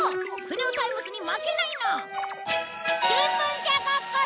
『スネオタイムス』に負けないのを！